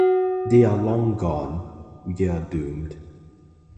They are long gone. We are doomed.